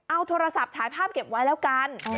เอาโทรศัพท์ถ่ายภาพเก็บไว้แล้วกัน